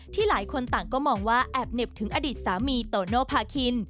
หลายคนต่างก็มองว่าแอบเหน็บถึงอดีตสามีโตโนภาคิน